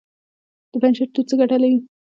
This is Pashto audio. د پنجشیر توت څه ګټه لري؟